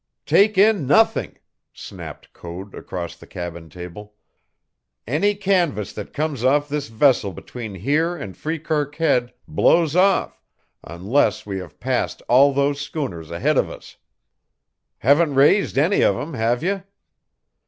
"Take in nothing!" snapped Code across the cabin table. "Any canvas that comes off this vessel between here and Freekirk Head blows off, unless we have passed all those schooners ahead of us. Haven't raised any of 'em, have you?"